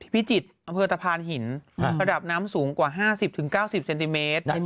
พิจิตรอำเภอตะพานหินระดับน้ำสูงกว่า๕๐๙๐เซนติเมตร